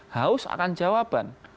haus akan jawaban